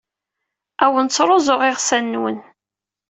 Ur awen-ttruẓuɣ iɣsan-nwen.